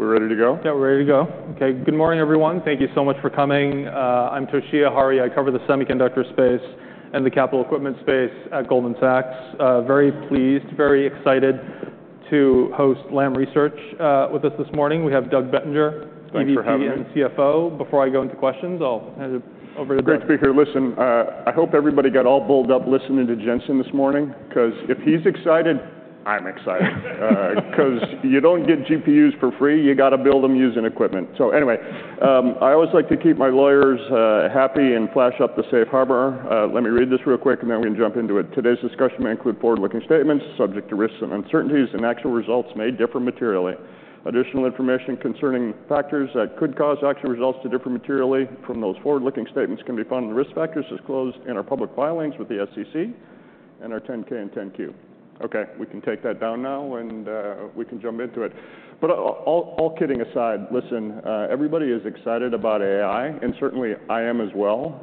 We're ready to go? Yeah, we're ready to go. Okay, good morning, everyone. Thank you so much for coming. I'm Toshiya Hari. I cover the semiconductor space and the capital equipment space at Goldman Sachs. Very pleased, very excited to host Lam Research with us this morning. We have Doug Bettinger- Thanks for having me. EVP and CFO. Before I go into questions, I'll hand it over to Doug. Great speaker. Listen, I hope everybody got all bulled up listening to Jensen this morning, 'cause if he's excited, I'm excited. 'Cause you don't get GPUs for free, you gotta build them using equipment, so anyway, I always like to keep my lawyers happy and flash up the safe harbor. Let me read this real quick, and then we can jump into it. Today's discussion may include forward-looking statements subject to risks and uncertainties, and actual results may differ materially. Additional information concerning factors that could cause actual results to differ materially from those forward-looking statements can be found in the risk factors disclosed in our public filings with the SEC and our 10-K and 10-Q. Okay, we can take that down now, and we can jump into it. But all kidding aside, listen, everybody is excited about AI, and certainly I am as well.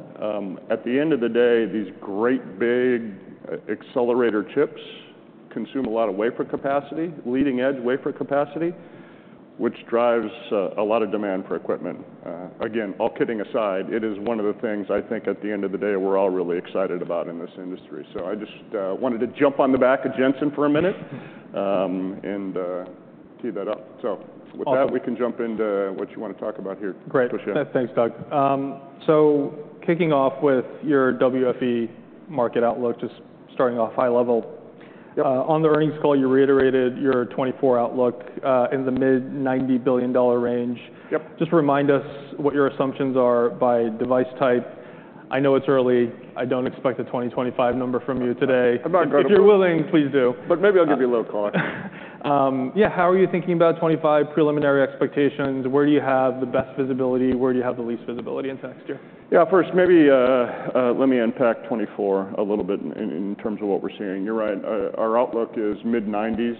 At the end of the day, these great big accelerator chips consume a lot of wafer capacity, leading-edge wafer capacity, which drives a lot of demand for equipment. Again, all kidding aside, it is one of the things I think at the end of the day we're all really excited about in this industry. So I just wanted to jump on the back of Jensen for a minute, and tee that up. Okay. So with that, we can jump into what you want to talk about here, great. Thanks, Doug. So kicking off with your WFE market outlook, just starting off high level. Yep. On the earnings call, you reiterated your 2024 outlook, in the mid-$90 billion range. Yep. Just remind us what your assumptions are by device type. I know it's early. I don't expect a 2025 number from you today. I'm not gonna- If you're willing, please do. But maybe I'll give you a low call. Yeah, how are you thinking about 2025 preliminary expectations? Where do you have the best visibility? Where do you have the least visibility into next year? Yeah, first, maybe, let me unpack 2024 a little bit in terms of what we're seeing. You're right, our outlook is mid-nineties.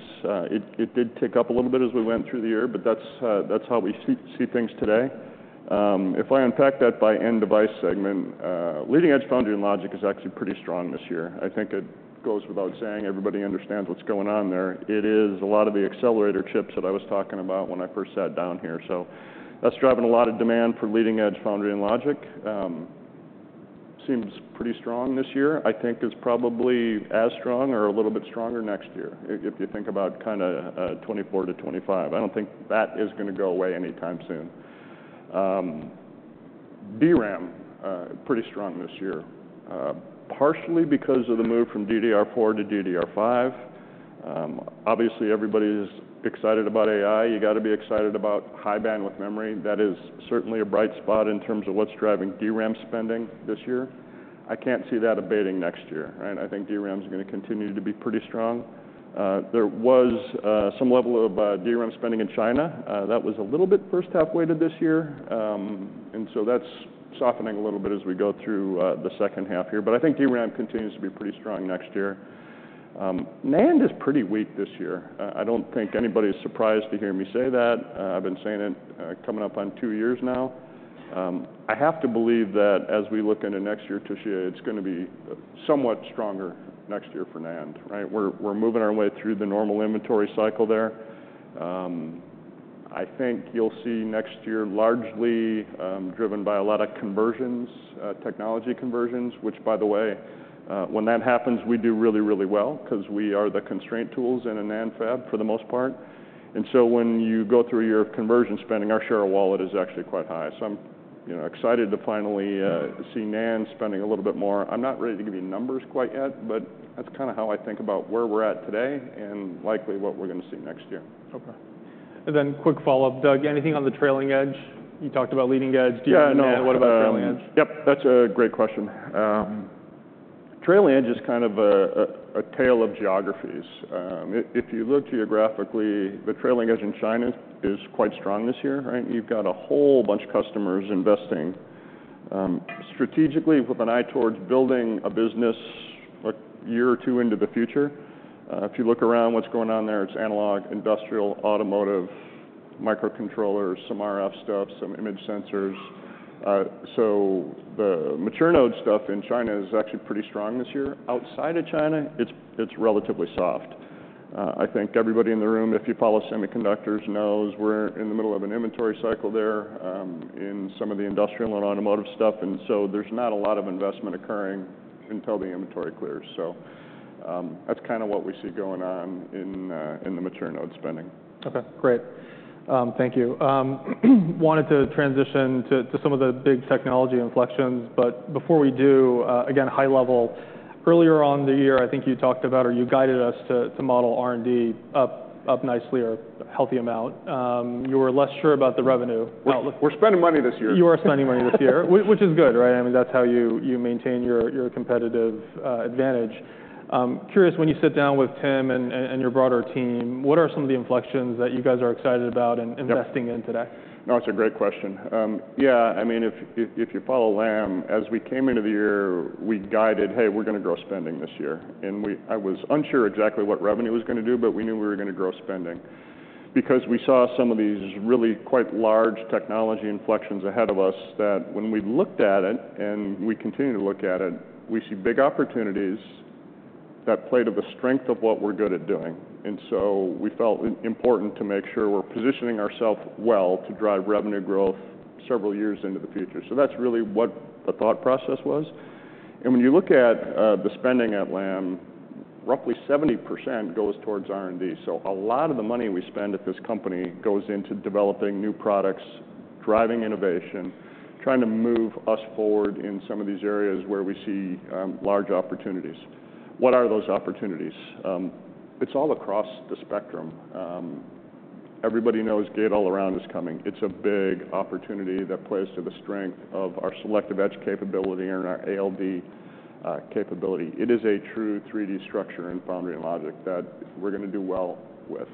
It did tick up a little bit as we went through the year, but that's how we see things today. If I unpack that by end device segment, leading-edge foundry and logic is actually pretty strong this year. I think it goes without saying everybody understands what's going on there. It is a lot of the accelerator chips that I was talking about when I first sat down here. So that's driving a lot of demand for leading-edge foundry and logic. Seems pretty strong this year. I think it's probably as strong or a little bit stronger next year. If you think about kinda twenty-four to twenty-five, I don't think that is gonna go away anytime soon. DRAM pretty strong this year, partially because of the move from DDR4 to DDR5. Obviously, everybody's excited about AI. You gotta be excited about high-bandwidth memory. That is certainly a bright spot in terms of what's driving DRAM spending this year. I can't see that abating next year, right? I think DRAM is gonna continue to be pretty strong. There was some level of DRAM spending in China. That was a little bit first half-weighted this year. And so that's softening a little bit as we go through the second half here, but I think DRAM continues to be pretty strong next year. NAND is pretty weak this year. I don't think anybody is surprised to hear me say that. I've been saying it, coming up on two years now. I have to believe that as we look into next year, Toshiya, it's gonna be somewhat stronger next year for NAND, right? We're moving our way through the normal inventory cycle there. I think you'll see next year largely driven by a lot of conversions, technology conversions, which by the way, when that happens, we do really, really well 'cause we are the constraint tools in a NAND fab for the most part, and so when you go through your conversion spending, our share of wallet is actually quite high, so I'm, you know, excited to finally see NAND spending a little bit more. I'm not ready to give you numbers quite yet, but that's kinda how I think about where we're at today and likely what we're gonna see next year. Okay. And then quick follow-up, Doug, anything on the trailing edge? You talked about leading edge. Yeah, no. What about trailing edge? Yep, that's a great question. Trailing edge is kind of a tale of geographies. If you look geographically, the trailing edge in China is quite strong this year, right? You've got a whole bunch of customers investing strategically with an eye towards building a business a year or two into the future. If you look around, what's going on there, it's analog, industrial, automotive, microcontrollers, some RF stuff, some image sensors. So the mature node stuff in China is actually pretty strong this year. Outside of China, it's relatively soft. I think everybody in the room, if you follow semiconductors, knows we're in the middle of an inventory cycle there, in some of the industrial and automotive stuff, and so there's not a lot of investment occurring until the inventory clears. That's kinda what we see going on in the mature node spending. Okay, great. Thank you. Wanted to transition to some of the big technology inflections, but before we do, again, high level, earlier on in the year, I think you talked about or you guided us to model R&D up nicely or a healthy amount. You were less sure about the revenue. We're spending money this year. You are spending money this year, which is good, right? I mean, that's how you maintain your competitive advantage. Curious, when you sit down with Tim and your broader team, what are some of the inflections that you guys are excited about and- Yep investing in today? No, it's a great question. Yeah, I mean, if you follow Lam, as we came into the year, we guided, "Hey, we're gonna grow spending this year." And I was unsure exactly what revenue was gonna do, but we knew we were gonna grow spending because we saw some of these really quite large technology inflections ahead of us that when we looked at it, and we continue to look at it, we see big opportunities that played to the strength of what we're good at doing, and so we felt it important to make sure we're positioning ourself well to drive revenue growth several years into the future. So that's really what the thought process was. And when you look at the spending at Lam, roughly 70% goes towards R&D. So a lot of the money we spend at this company goes into developing new products, driving innovation, trying to move us forward in some of these areas where we see large opportunities. What are those opportunities? It's all across the spectrum. Everybody knows Gate-All-Around is coming. It's a big opportunity that plays to the strength of our selective etch capability and our ALD capability. It is a true 3D structure in foundry and logic that we're gonna do well with.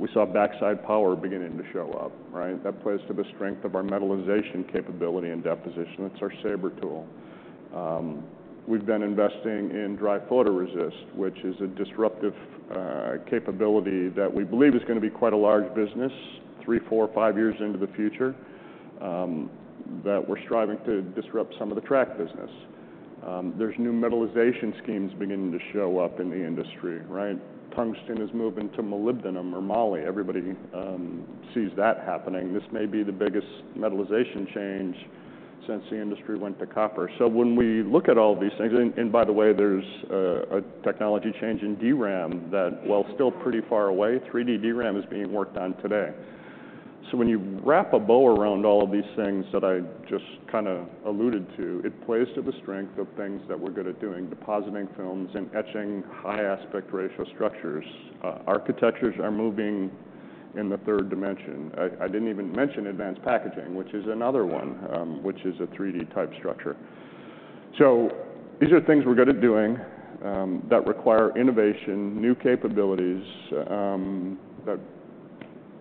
We saw backside power beginning to show up, right? That plays to the strength of our metallization capability and deposition. It's our SABRE tool. We've been investing in dry photoresist, which is a disruptive capability that we believe is gonna be quite a large business three, four, five years into the future, that we're striving to disrupt some of the track business. There's new metallization schemes beginning to show up in the industry, right? Tungsten is moving to molybdenum or moly. Everybody sees that happening. This may be the biggest metallization change since the industry went to copper. So when we look at all these things. And by the way, there's a technology change in DRAM that, while still pretty far away, 3D DRAM is being worked on today. So when you wrap a bow around all of these things that I just kinda alluded to, it plays to the strength of things that we're good at doing: depositing films and etching high aspect ratio structures. Architectures are moving in the third dimension. I didn't even advanced packaging, which is another one, which is a 3D type structure. These are things we're good at doing, that require innovation, new capabilities, that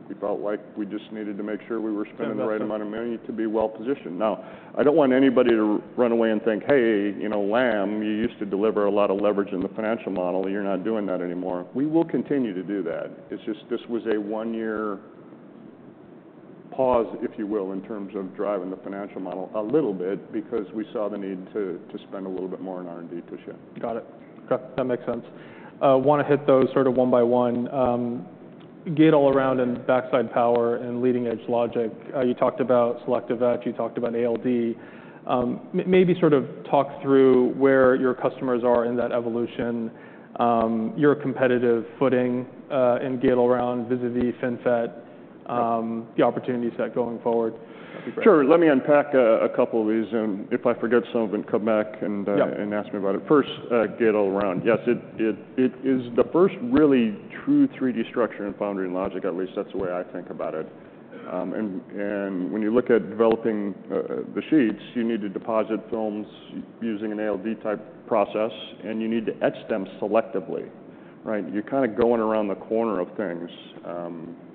we felt like we just needed to make sure we were spending the right amount of money to be well-positioned. Now, I don't want anybody to run away and think, "Hey, you know, Lam, you used to deliver a lot of leverage in the financial model. You're not doing that anymore." We will continue to do that. It's just this was a one-year pause, if you will, in terms of driving the financial model a little bit because we saw the need to spend a little bit more on R&D this year. Got it. Okay, that makes sense. Wanna hit those sort of one by one. Gate-All-Around and Backside Power and leading-edge logic, you talked about selective etch, you talked about ALD. Maybe sort of talk through where your customers are in that evolution, your competitive footing, in Gate-All-Around, vis-a-vis FinFET, the opportunities that going forward. Sure. Let me unpack a couple of these, and if I forget some of them, come back and Yeah... and ask me about it. First, Gate-All-Around. Yes, it is the first really true 3D structure in foundry and logic, at least that's the way I think about it. And when you look at developing the sheets, you need to deposit films using an ALD-type process, and you need to etch them selectively, right? You're kinda going around the corner of things.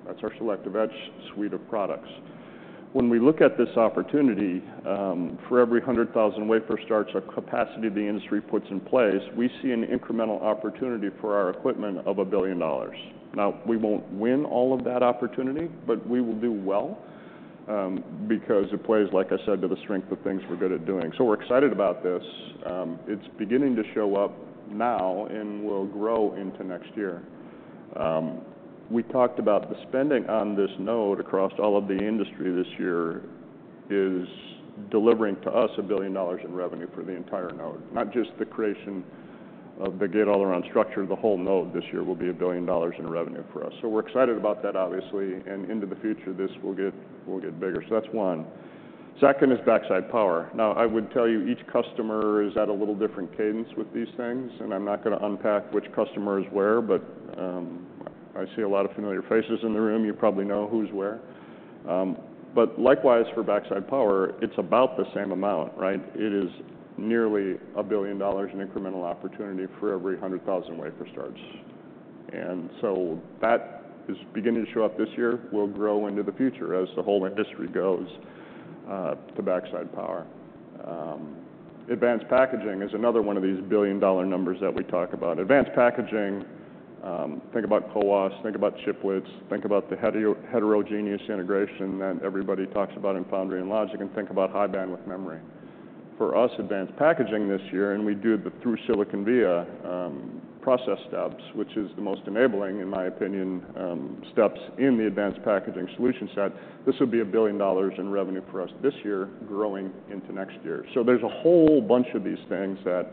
That's our selective etch suite of products. When we look at this opportunity, for every 100,000 wafer starts, our capacity the industry puts in place, we see an incremental opportunity for our equipment of $1 billion. Now, we won't win all of that opportunity, but we will do well, because it plays, like I said, to the strength of things we're good at doing. So we're excited about this. It's beginning to show up now and will grow into next year. We talked about the spending on this node across all of the industry this year is delivering to us $1 billion in revenue for the entire node, not just the creation of the Gate-All-Around structure. The whole node this year will be $1 billion in revenue for us. So we're excited about that, obviously, and into the future, this will get bigger. So that's one. Second is backside power. Now, I would tell you, each customer is at a little different cadence with these things, and I'm not gonna unpack which customer is where, but I see a lot of familiar faces in the room. You probably know who's where. But likewise, for backside power, it's about the same amount, right? It is nearly $1 billion in incremental opportunity for every 100,000 wafer starts. And so that is beginning to show up this year, will grow into the future as the whole industry goes to backside advanced packaging is another one of these billion-dollar numbers that we talk advanced packaging, think about CoWoS, think about chiplets, think about the heterogeneous integration that everybody talks about in foundry and logic, and think about high-bandwidth memory. For advanced packaging this year, and we do it through-silicon via process steps, which is the most enabling, in my opinion, steps in advanced packaging solution set. This would be $1 billion in revenue for us this year, growing into next year. So there's a whole bunch of these things that,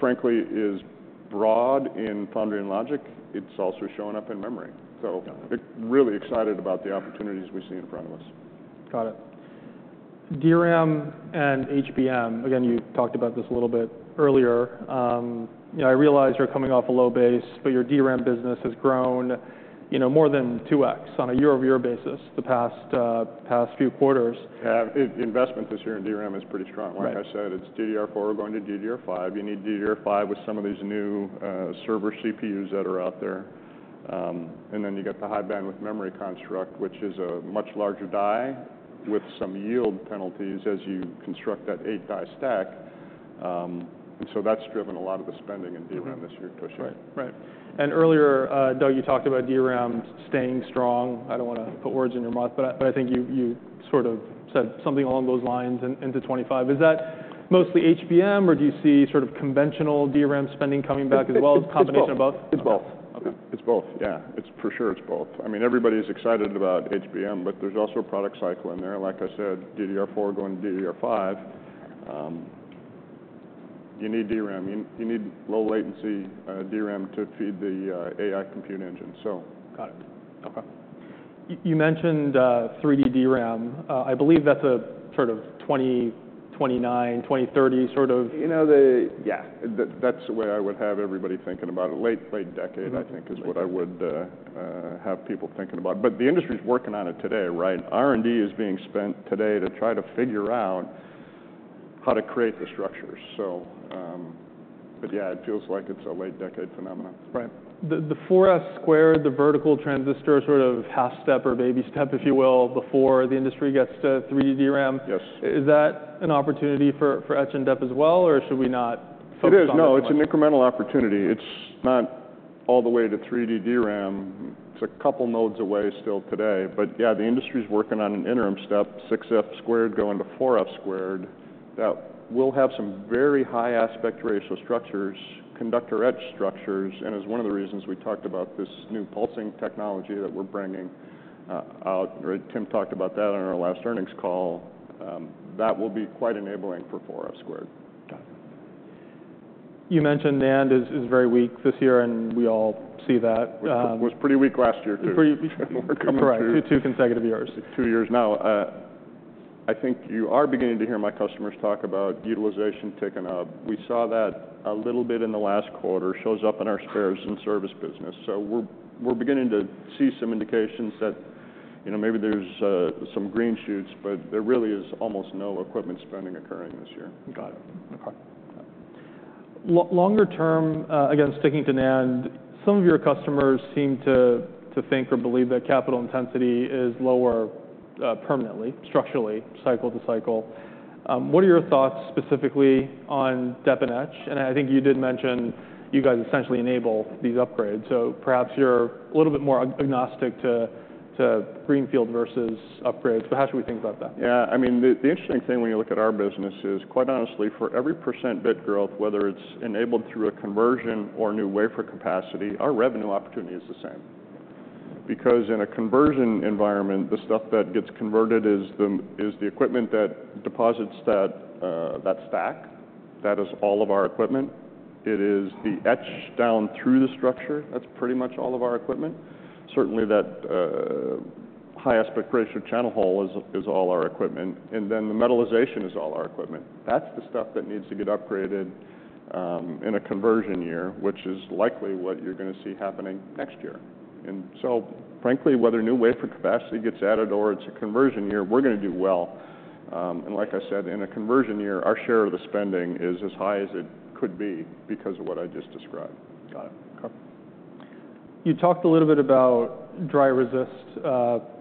frankly, is broad in foundry and logic. It's also showing up in memory. Yeah. Really excited about the opportunities we see in front of us. Got it. DRAM and HBM, again, you talked about this a little bit earlier. You know, I realize you're coming off a low base, but your DRAM business has grown, you know, more than two X on a year-over-year basis, the past few quarters. Yeah, investment this year in DRAM is pretty strong. Right. Like I said, it's DDR4. We're going to DDR5. You need DDR5 with some of these new server CPUs that are out there. And then you got the high-bandwidth memory construct, which is a much larger die with some yield penalties as you construct that eight-die stack. And so that's driven a lot of the spending in DRAM this year, Toshiya. Right. Right. And earlier, Doug, you talked about DRAM staying strong. I don't wanna put words in your mouth, but I think you sort of said something along those lines into 2025. Is that mostly HBM, or do you see sort of conventional DRAM spending coming back as well? It's, it's- A combination of both? It's both. It's both. Yeah, it's for sure, it's both. I mean, everybody's excited about HBM, but there's also a product cycle in there. Like I said, DDR4 going to DDR5, you need DRAM. You need low latency DRAM to feed the AI compute engine, so. Got it. Okay. You mentioned 3D DRAM. I believe that's a sort of twenty twenty-nine, twenty thirty sort of- You know, yeah, that's the way I would have everybody thinking about it. Late decade- Mm-hmm... I think, is what I would have people thinking about. But the industry's working on it today, right? R&D is being spent today to try to figure out how to create the structures. So, but yeah, it feels like it's a late decade phenomenon. Right. The 4F squared, the vertical transistor, sort of half step or baby step, if you will, before the industry gets to 3D DRAM. Yes. Is that an opportunity for, for etch and dep as well, or should we not focus on it? It is. No, it's an incremental opportunity. It's not all the way to 3D DRAM. It's a couple nodes away still today. But yeah, the industry's working on an interim step, 6F squared, going to 4F squared, that will have some very high aspect ratio structures, conductor etch structures, and is one of the reasons we talked about this new pulsing technology that we're bringing out, or Tim talked about that on our last earnings call. That will be quite enabling for 4F squared. Got it. You mentioned NAND is very weak this year, and we all see that. Which was pretty weak last year, too. Pretty... right. Two consecutive years. Two years now. I think you are beginning to hear my customers talk about utilization ticking up. We saw that a little bit in the last quarter, shows up in our spares and service business. So we're beginning to see some indications that, you know, maybe there's some green shoots, but there really is almost no equipment spending occurring this year. Got it. Okay. Longer term, again, sticking to NAND, some of your customers seem to think or believe that capital intensity is lower, permanently, structurally, cycle to cycle. What are your thoughts specifically on dep and etch? And I think you did mention you guys essentially enable these upgrades, so perhaps you're a little bit more agnostic to greenfield versus upgrades, but how should we think about that? Yeah, I mean, the interesting thing when you look at our business is, quite honestly, for every % bit growth, whether it's enabled through a conversion or new wafer capacity, our revenue opportunity is the same. Because in a conversion environment, the stuff that gets converted is the equipment that deposits that stack. That is all of our equipment. It is the etch down through the structure. That's pretty much all of our equipment. Certainly, that high aspect ratio channel hole is all our equipment, and then the metallization is all our equipment. That's the stuff that needs to get upgraded in a conversion year, which is likely what you're gonna see happening next year. And so, frankly, whether new wafer capacity gets added or it's a conversion year, we're gonna do well. And like I said, in a conversion year, our share of the spending is as high as it could be because of what I just described. Got it. Okay. You talked a little bit about dry resist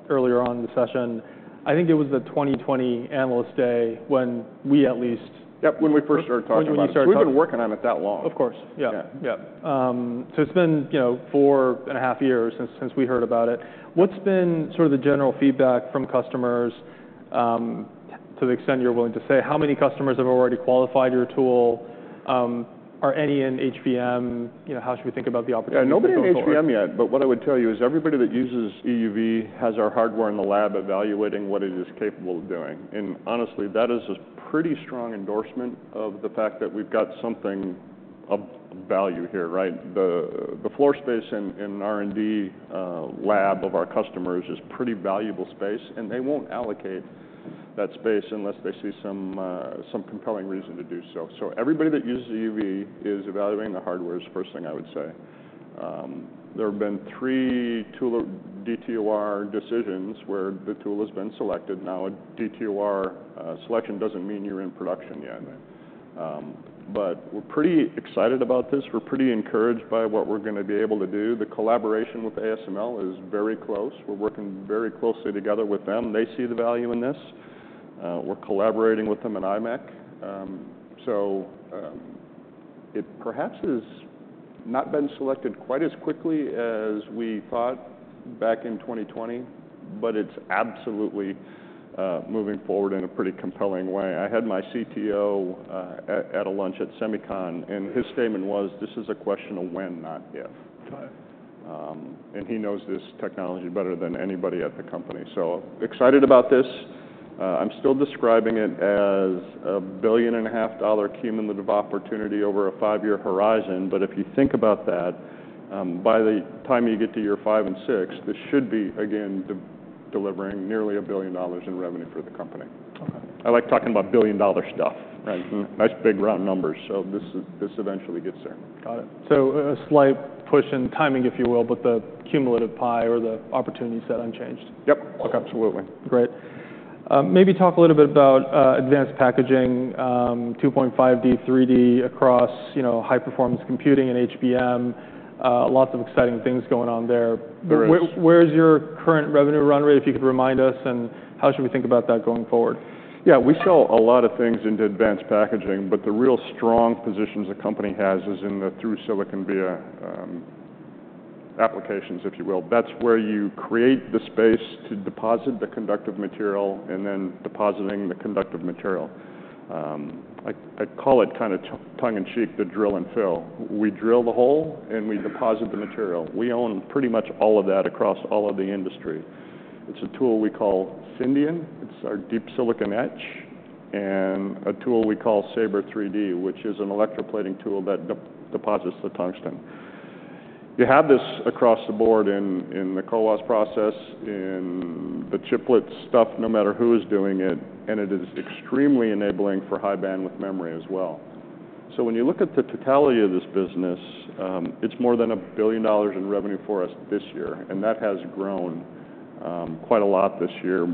earlier on in the session. I think it was the 2020 Analyst Day when we at least- Yep, when we first started talking about it. When you started- We've been working on it that long. Of course. Yeah. Yeah. Yeah. So it's been, you know, four and a half years since we heard about it. What's been sort of the general feedback from customers, to the extent you're willing to say? How many customers have already qualified your tool? Are any in HBM? You know, how should we think about the opportunity going forward? Yeah, nobody in HBM yet, but what I would tell you is everybody that uses EUV has our hardware in the lab evaluating what it is capable of doing. And honestly, that is a pretty strong endorsement of the fact that we've got something of value here, right? The floor space in R&D lab of our customers is pretty valuable space, and they won't allocate that space unless they see some compelling reason to do so. So everybody that uses EUV is evaluating the hardware, is the first thing I would say. There have been three tool DTOR decisions where the tool has been selected. Now, a DTOR selection doesn't mean you're in production yet. But we're pretty excited about this. We're pretty encouraged by what we're gonna be able to do. The collaboration with ASML is very close. We're working very closely together with them. They see the value in this. We're collaborating with them in Imec. It perhaps has not been selected quite as quickly as we thought back in 2020, but it's absolutely moving forward in a pretty compelling way. I had my CTO at a lunch at SEMICON, and his statement was: "This is a question of when, not if. Got it. And he knows this technology better than anybody at the company, so excited about this. I'm still describing it as a $1.5 billion cumulative opportunity over a five-year horizon. But if you think about that, by the time you get to year five and six, this should be, again, delivering nearly $1 billion in revenue for the company. Okay. I like talking about billion-dollar stuff. Right. Mm-hmm. Nice, big, round numbers, so this is, this eventually gets there. Got it. So a slight push in timing, if you will, but the cumulative pie or the opportunity set unchanged? Yep. Okay. Absolutely. Great. Maybe talk a little bit advanced packaging, 2.5D, 3D across, you know, high-performance computing and HBM. Lots of exciting things going on there. There is. Where is your current revenue run rate, if you could remind us, and how should we think about that going forward? Yeah, we sell a lot of things advanced packaging, but the real strong positions the company has is in the through-silicon via applications, if you will. That's where you create the space to deposit the conductive material and then depositing the conductive material. I call it kind of tongue in cheek, the drill and fill. We drill the hole, and we deposit the material. We own pretty much all of that across all of the industry. It's a tool we call Syndion. It's our deep silicon etch, and a tool we call SABRE 3D, which is an electroplating tool that deposits the tungsten. You have this across the board in the CoWoS process, in the chiplet stuff, no matter who is doing it, and it is extremely enabling for high-bandwidth memory as well. So when you look at the totality of this business, it's more than $1 billion in revenue for us this year, and that has grown quite a lot this year.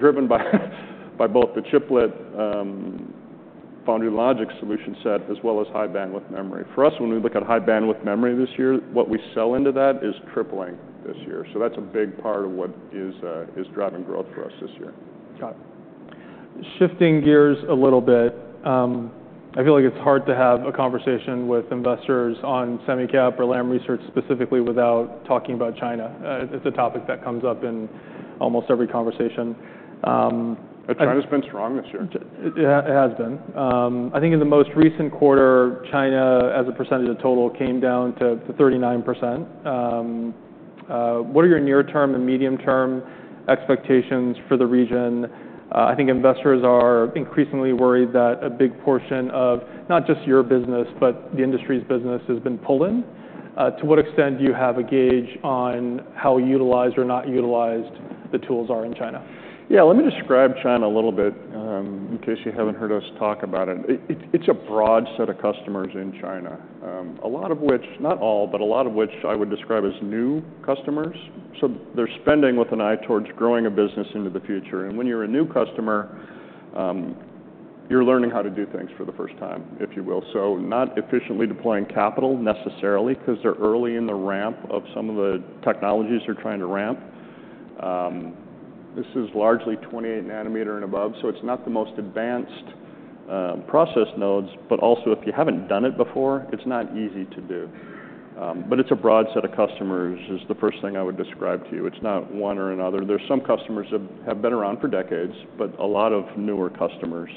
Driven by both the chiplet foundry logic solution set, as well as high-bandwidth memory. For us, when we look at high-bandwidth memory this year, what we sell into that is tripling this year, so that's a big part of what is driving growth for us this year. Got it. Shifting gears a little bit, I feel like it's hard to have a conversation with investors on Semicap or Lam Research, specifically without talking about China. It's a topic that comes up in almost every conversation. China's been strong this year. It has been. I think in the most recent quarter, China, as a percentage of total, came down to 39%. What are your near-term and medium-term expectations for the region? I think investors are increasingly worried that a big portion of, not just your business, but the industry's business, has been pulled in. To what extent do you have a gauge on how utilized or not utilized the tools are in China? Yeah, let me describe China a little bit, in case you haven't heard us talk about it. It's a broad set of customers in China, a lot of which, not all, but a lot of which I would describe as new customers, so they're spending with an eye towards growing a business into the future. And when you're a new customer, you're learning how to do things for the first time, if you will. So not efficiently deploying capital necessarily, 'cause they're early in the ramp of some of the technologies they're trying to ramp. This is largely 28 nanometer and above, so it's not the most advanced process nodes, but also, if you haven't done it before, it's not easy to do. But it's a broad set of customers, is the first thing I would describe to you. It's not one or another. There's some customers that have been around for decades, but a lot of newer customers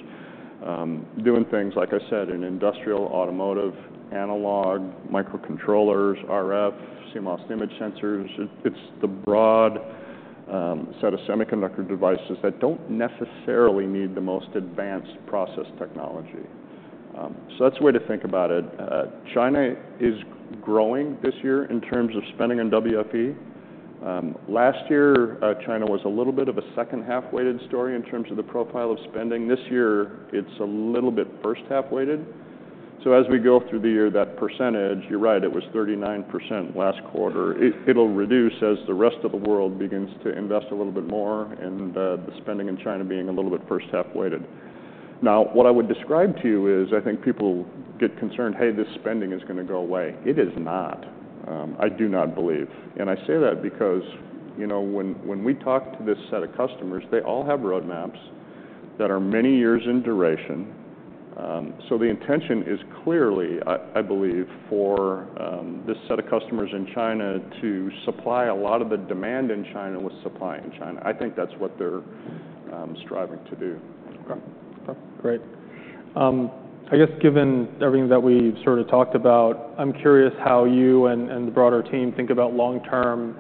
doing things, like I said, in industrial, automotive, analog, microcontrollers, RF, CMOS image sensors. It's the broad set of semiconductor devices that don't necessarily need the most advanced process technology. So that's the way to think about it. China is growing this year in terms of spending on WFE. Last year, China was a little bit of a second half-weighted story in terms of the profile of spending. This year, it's a little bit first half-weighted, so as we go through the year, that percentage, you're right, it was 39% last quarter. It'll reduce as the rest of the world begins to invest a little bit more, and the spending in China being a little bit first half-weighted. Now, what I would describe to you is, I think people get concerned, "Hey, this spending is gonna go away." It is not. I do not believe, and I say that because, you know, when we talk to this set of customers, they all have roadmaps that are many years in duration. So the intention is clearly, I believe, for this set of customers in China to supply a lot of the demand in China with supply in China. I think that's what they're striving to do. Okay. Okay, great. I guess, given everything that we've sort of talked about, I'm curious how you and the broader team think about long-term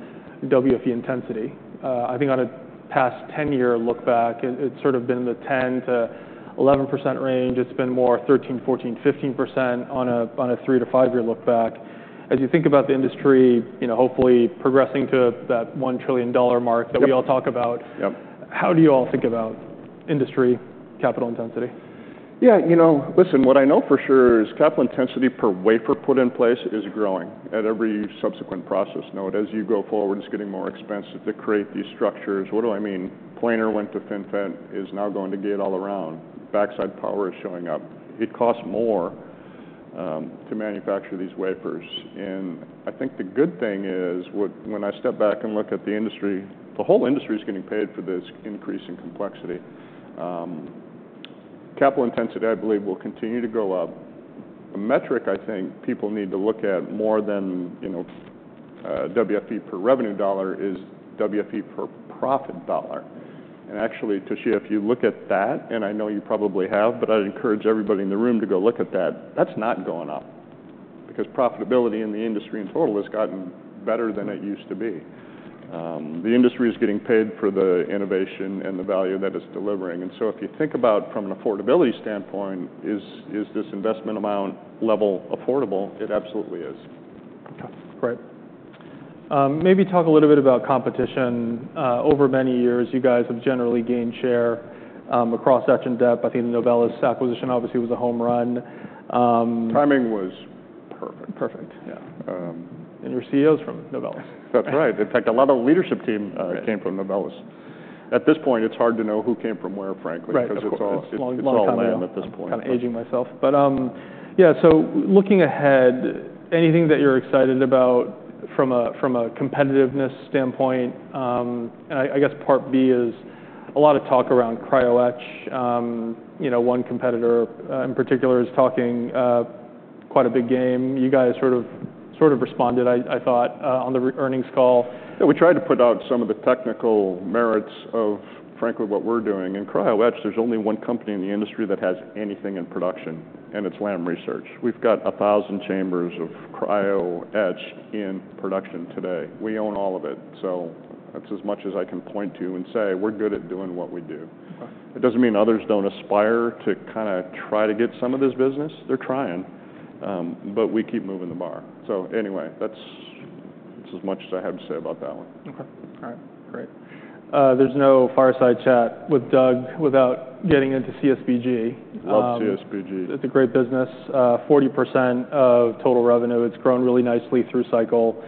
WFE intensity. I think on a past 10-year look back, it's sort of been in the 10%-11% range. It's been more 13%, 14%, 15% on a three-to-five-year look back. As you think about the industry, you know, hopefully progressing to that $1 trillion mark- Yep... that we all talk about- Yep... how do you all think about industry capital intensity? Yeah, you know, listen, what I know for sure is capital intensity per wafer put in place is growing at every subsequent process node. As you go forward, it's getting more expensive to create these structures. What do I mean? Planar went to FinFET, is now going to Gate-All-Around. Backside Power is showing up. It costs more to manufacture these wafers, and I think the good thing is, when I step back and look at the industry, the whole industry is getting paid for this increase in complexity. Capital intensity, I believe, will continue to go up. The metric, I think, people need to look at more than, you know, WFE per revenue dollar is WFE per profit dollar. Actually, Toshi, if you look at that, and I know you probably have, but I'd encourage everybody in the room to go look at that. That's not going up, because profitability in the industry in total has gotten better than it used to be. The industry is getting paid for the innovation and the value that it's delivering, and so if you think about from an affordability standpoint, is this investment amount level affordable? It absolutely is. Okay, great. Maybe talk a little bit about competition. Over many years, you guys have generally gained share across etch and dep. I think the Novellus acquisition obviously was a home run. Timing was perfect. Perfect. Yeah, um- Your CEO's from Novellus. That's right. In fact, a lot of leadership team, Right... came from Novellus. At this point, it's hard to know who came from where, frankly. Right... 'cause it's all, it's all Lam at this point. Long time ago. I'm kind of aging myself, but yeah, so looking ahead, anything that you're excited about from a competitiveness standpoint? And I guess part B is a lot of talk around cryo-etch. You know, one competitor in particular is talking quite a big game. You guys sort of responded, I thought, on the recent earnings call. Yeah, we tried to put out some of the technical merits of, frankly, what we're doing. In cryo-etch, there's only one company in the industry that has anything in production, and it's Lam Research. We've got a thousand chambers of cryo-etch in production today. We own all of it, so that's as much as I can point to and say we're good at doing what we do. Okay. It doesn't mean others don't aspire to kinda try to get some of this business. They're trying, but we keep moving the bar. So anyway, that's as much as I have to say about that one. Okay. All right, great. There's no Fireside Chat with Doug without getting into CSBG. Love CSBG. It's a great business. 40% of total revenue, it's grown really nicely through cycle.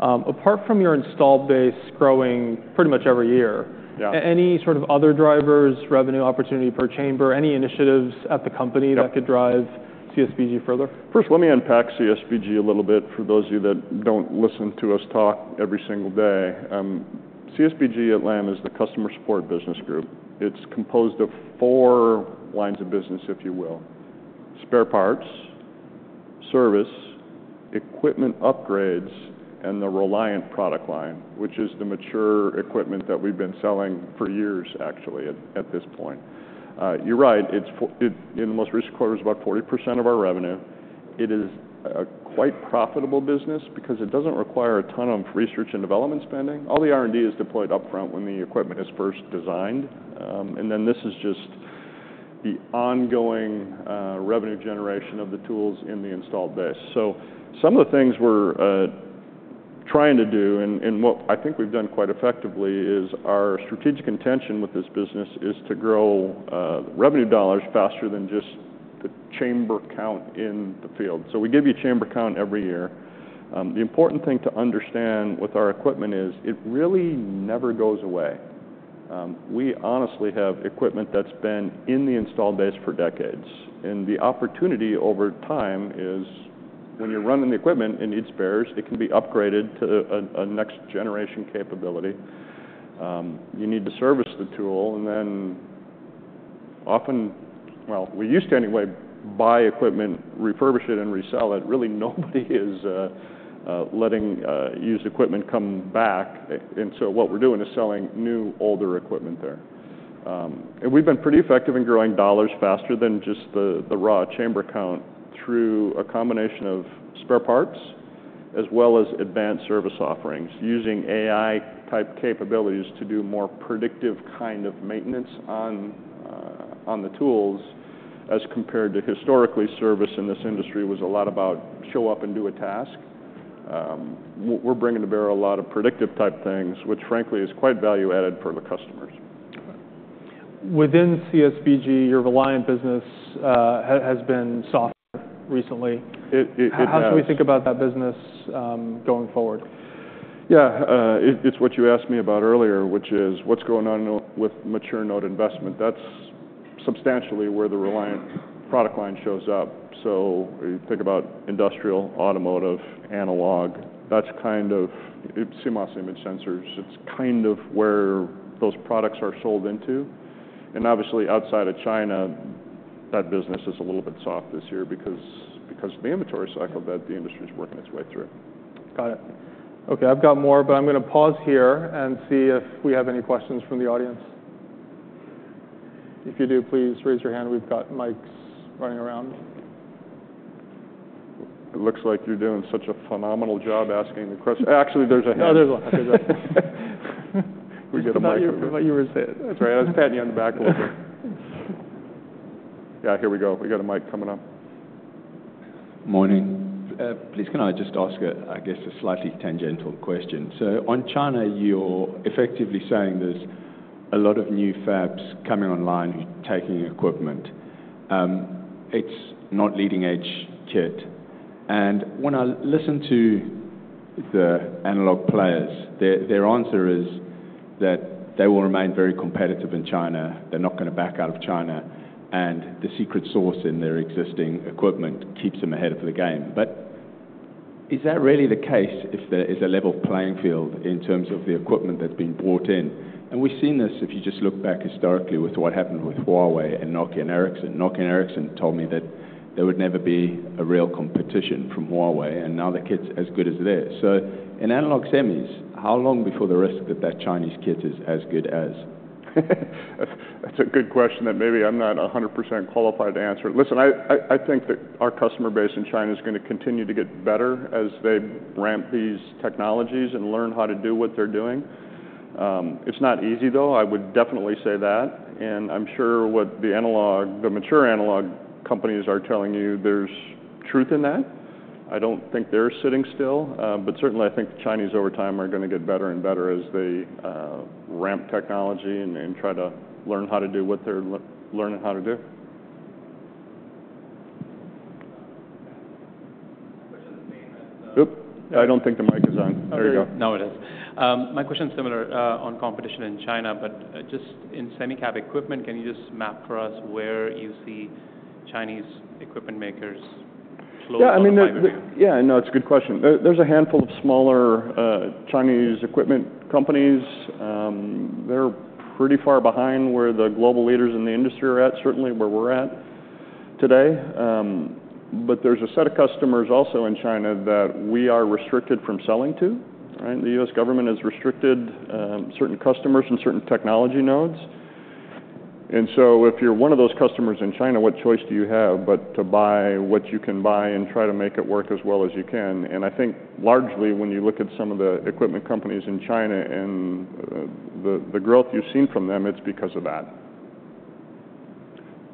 Apart from your install base growing pretty much every year- Yeah... any sort of other drivers, revenue opportunity per chamber, any initiatives at the company- Yep - that could drive CSBG further? First, let me unpack CSBG a little bit for those of you that don't listen to us talk every single day. CSBG at Lam is the Customer Support Business Group. It's composed of four lines of business, if you will: spare parts, service, equipment upgrades, and the Reliant product line, which is the mature equipment that we've been selling for years, actually, at this point. You're right, it's in the most recent quarter, it's about 40% of our revenue. It is a quite profitable business because it doesn't require a ton of research and development spending. All the R&D is deployed upfront when the equipment is first designed, and then this is just the ongoing revenue generation of the tools in the installed base. Some of the things we're trying to do and what I think we've done quite effectively is our strategic intention with this business is to grow revenue dollars faster than just the chamber count in the field. So we give you a chamber count every year. The important thing to understand with our equipment is it really never goes away. We honestly have equipment that's been in the installed base for decades, and the opportunity over time is when you're running the equipment, it needs spares. It can be upgraded to a next-generation capability. You need to service the tool, and then often. Well, we used to anyway buy equipment, refurbish it, and resell it. Really, nobody is letting used equipment come back. And so what we're doing is selling new, older equipment there. and we've been pretty effective in growing dollars faster than just the raw chamber count through a combination of spare parts as well as advanced service offerings, using AI-type capabilities to do more predictive kind of maintenance on the tools, as compared to historically, service in this industry was a lot about show up and do a task. We're bringing to bear a lot of predictive-type things, which frankly is quite value-added for the customers. Within CSBG, your Reliant business has been soft recently. It has. How should we think about that business, going forward? Yeah, it's what you asked me about earlier, which is what's going on with mature node investment. That's substantially where the Reliant product line shows up. So when you think about industrial, automotive, analog, that's kind of... It's CMOS image sensors. It's kind of where those products are sold into, and obviously, outside of China, that business is a little bit soft this year because of the inventory cycle that the industry's working its way through. Got it. Okay, I've got more, but I'm gonna pause here and see if we have any questions from the audience. If you do, please raise your hand. We've got mics running around. It looks like you're doing such a phenomenal job asking the question. Actually, there's a hand. Oh, there's one. There's a- We got a mic over here. Just about you, what you were saying. That's right. I was patting you on the back a little bit. Yeah, here we go. We got a mic coming up. Morning. Please, can I just ask a, I guess, a slightly tangential question? So on China, you're effectively saying there's a lot of new fabs coming online, taking equipment. It's not leading-edge kit, and when I listen to the analog players, their answer is that they will remain very competitive in China, they're not gonna back out of China, and the secret sauce in their existing equipment keeps them ahead of the game. But is that really the case if there is a level playing field in terms of the equipment that's been brought in? And we've seen this, if you just look back historically, with what happened with Huawei and Nokia and Ericsson. Nokia and Ericsson told me that there would never be a real competition from Huawei, and now the kit's as good as theirs. So in analog semis, how long before the risk that that Chinese kit is as good as? That's a good question that maybe I'm not 100% qualified to answer. Listen, I think that our customer base in China is gonna continue to get better as they ramp these technologies and learn how to do what they're doing. It's not easy, though. I would definitely say that, and I'm sure what the mature analog companies are telling you, there's truth in that. I don't think they're sitting still, but certainly, I think the Chinese, over time, are gonna get better and better as they ramp technology and try to learn how to do what they're learning how to do. Question the same as, Oops, I don't think the mic is on. There you go. Okay. Now it is. My question's similar on competition in China, but just in semi cap equipment. Can you just map for us where you see Chinese equipment makers closing the gap? Yeah, I mean, Yeah, no, it's a good question. There's a handful of smaller Chinese equipment companies. They're pretty far behind where the global leaders in the industry are at, certainly where we're at today. But there's a set of customers also in China that we are restricted from selling to, right? The U.S. government has restricted certain customers from certain technology nodes. And so if you're one of those customers in China, what choice do you have but to buy what you can buy and try to make it work as well as you can? And I think largely, when you look at some of the equipment companies in China and the growth you've seen from them, it's because of that.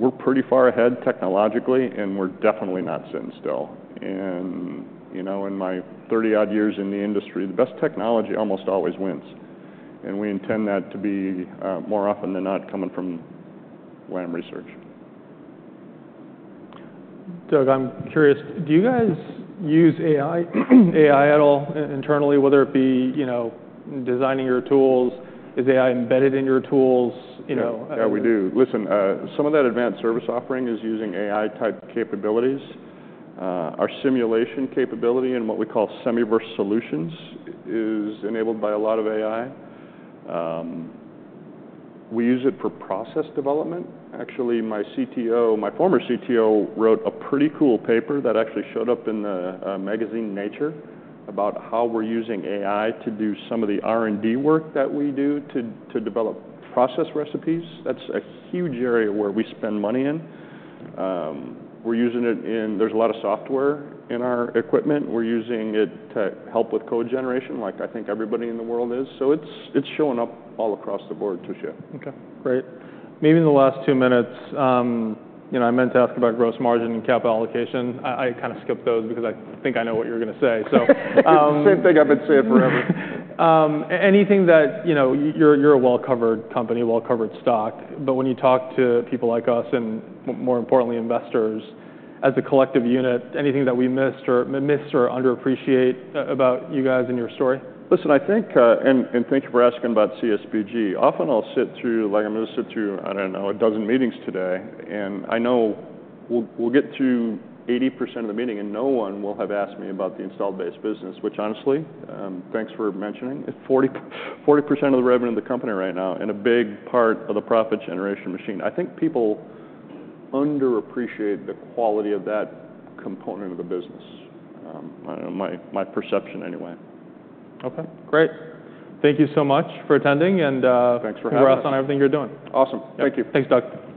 We're pretty far ahead technologically, and we're definitely not sitting still. You know, in my thirty-odd years in the industry, the best technology almost always wins, and we intend that to be more often than not coming from Lam Research. Doug, I'm curious, do you guys use AI at all internally, whether it be, you know, designing your tools? Is AI embedded in your tools, you know? Yeah, we do. Listen, some of that advanced service offering is using AI-type capabilities. Our simulation capability in what we call Semiverse Solutions is enabled by a lot of AI. We use it for process development. Actually, my CTO, my former CTO wrote a pretty cool paper that actually showed up in the magazine Nature, about how we're using AI to do some of the R&D work that we do to develop process recipes. That's a huge area where we spend money in. We're using it in. There's a lot of software in our equipment. We're using it to help with code generation, like I think everybody in the world is. So it's showing up all across the board, Toshiya. Okay, great. Maybe in the last two minutes, you know, I meant to ask about gross margin and capital allocation. I kinda skipped those because I think I know what you're gonna say, so, Same thing I've been saying forever. You know, you're a well-covered company, well-covered stock, but when you talk to people like us, and more importantly, investors, as a collective unit, anything that we missed or underappreciate about you guys and your story? Listen, I think, and thank you for asking about CSBG. Often, I'll sit through, like, I'm gonna sit through, I don't know, a dozen meetings today, and I know we'll get through 80% of the meeting, and no one will have asked me about the installed base business, which honestly, thanks for mentioning. It's 40% of the revenue of the company right now, and a big part of the profit generation machine. I think people underappreciate the quality of that component of the business. I don't know, my perception anyway. Okay, great. Thank you so much for attending, and, Thanks for having me. Congrats on everything you're doing. Awesome. Thank you. Thanks, Doug.